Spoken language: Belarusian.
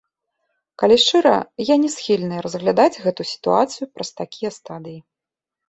Калі шчыра, я не схільная разглядаць гэту сітуацыю праз такія стадыі.